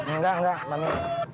enggak enggak mami